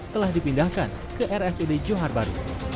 telah dipindahkan ke rsud johar baru